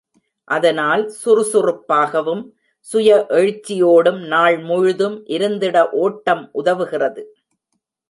அதனால் சுறுசுறுப்பாகவும் சுய எழுச்சியோடும் நாள் முழுதும் இருந்திட ஒட்டம் உதவுகிறது.